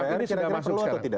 ini kira kira perlu atau tidak